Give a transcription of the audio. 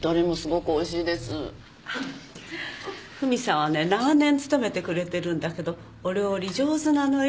フミさんはね長年勤めてくれてるんだけどお料理上手なのよ。